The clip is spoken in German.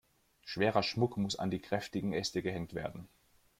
Schwerer Schmuck muss an die kräftigen Äste gehängt werden.